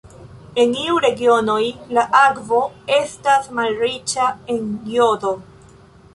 En iuj regionoj la akvo estas malriĉa en jodo.